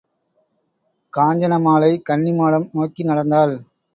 காஞ்சனமாலை கன்னிமாடம் நோக்கி நடந்தாள்.